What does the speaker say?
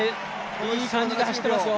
いい感じで走ってますよ。